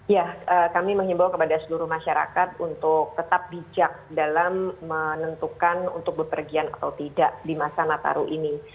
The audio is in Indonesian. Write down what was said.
ya kami menghimbau kepada seluruh masyarakat untuk tetap bijak dalam menentukan untuk bepergian atau tidak di masa nataru ini